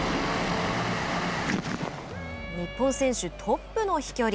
日本選手トップの飛距離。